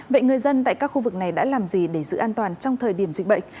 vậy người dân tại các khu vực này đã làm gì để giữ an toàn trong thời điểm dịch bệnh